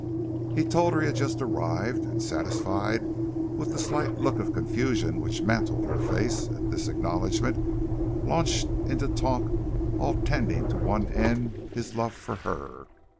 He told her he had just arrived, and, satisfied with the slight look of confusion which mantled her face at this acknowledgment, launched into talk all tending to one end, his love for her.